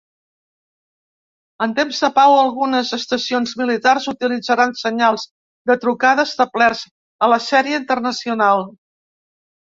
En temps de pau, algunes estacions militars utilitzaran senyals de trucada establerts a la sèrie internacional.